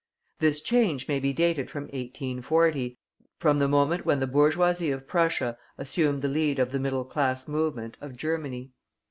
This change may be dated from 1840, from the moment when the bourgeoisie of Prussia assumed the lead of the middle class movement of Germany.